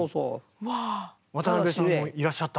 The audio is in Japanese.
渡辺さんもいらっしゃった。